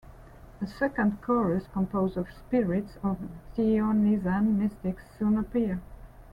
A second chorus composed of spirits of Dionysian Mystics soon appear.